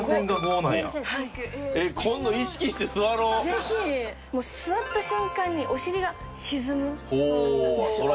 ぜひ！座った瞬間にお尻が沈むんですよ。